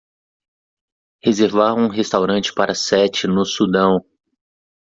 reservar um restaurante para sete no Sudão